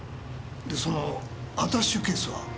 でそのアタッシェケースは？